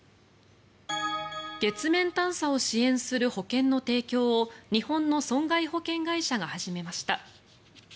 月面探査を支援する保険の提供を日本の損害保険会社が始めました。